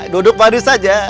duduk padis aja